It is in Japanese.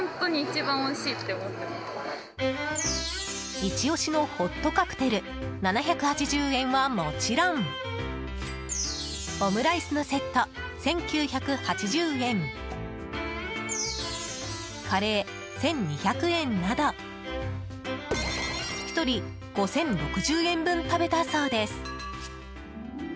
イチオシのホットカクテル７８０円はもちろんオムライスのセット、１９８０円カレー、１２００円など１人５０６０円分食べたそうです。